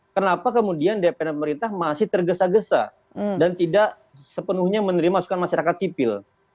kenapa kemudian dpr dan pemerintah masih tergesa gesa dan tidak sepenuhnya menerima sukan masyarakat sipil